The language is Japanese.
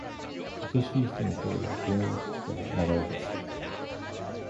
愛しい人の声が、電話口から流れ出す。